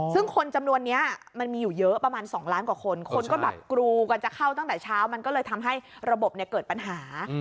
ซึ่งคนจำนวนนี้มันมีอยู่เยอะประมาณ๒ล้านกว่าคนคนก็แบบกรูกันจะเข้าตั้งแต่เช้ามันก็เลยทำให้ระบบเกิดปัญหา